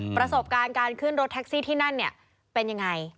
ประสบการณ์การขึ้นรถแท็กซี่ที่นั่นเนี่ยเป็นยังไง